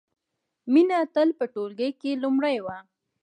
مینه تل په ټولګي کې لومړۍ وه